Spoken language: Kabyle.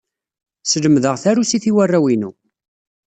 Slemdeɣ tarusit i warraw-inu.